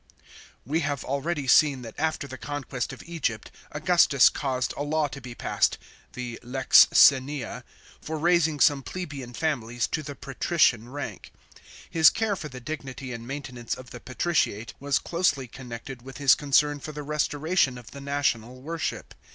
* We have already seen that after the conquest of Egypt, Augustus caused a law to be passed (the lex Ssenia) for raising some plebeian families to the patrician rank, f His care for the dignity and maintenance of the patriciate was closely connected with his concern for the restoration of the national worship.